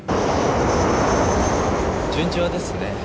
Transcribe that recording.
順調ですね。